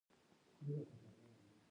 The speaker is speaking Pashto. د بولان پټي د افغانستان د صادراتو برخه ده.